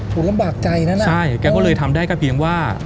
ผมลำบากใจนั้นน่ะใช่แกก็เลยทำได้ก็เพียงว่า